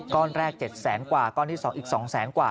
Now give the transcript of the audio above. ก้อนแรก๗แสนกว่าก้อนที่๒อีก๒แสนกว่า